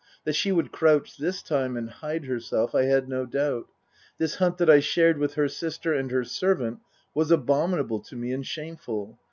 That she would crouch, this time, and hide herself, I had no doubt. This hunt that I shared with her sister and her servant was abominable to me and shameful.